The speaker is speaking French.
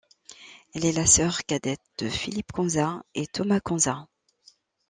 Elle est la sœur cadette de Philippe Kanza et Thomas Kanza.